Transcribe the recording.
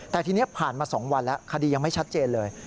แต่ทีนี้ผ่านมา๒วันแล้วคดียังไม่ชัดเจนเลย